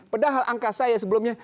padahal angka saya sebelumnya